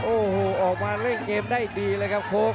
โอ้โหออกมาเล่นเกมได้ดีเลยครับโค้ก